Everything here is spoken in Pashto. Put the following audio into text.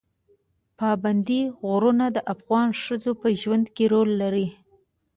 پابندی غرونه د افغان ښځو په ژوند کې رول لري.